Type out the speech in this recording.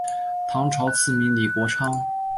唐朝赐名李国昌。